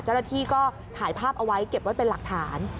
เจ้าหน้าที่ก็ถ่ายภาพเอาไว้เก็บไว้เป็นหลักฐาน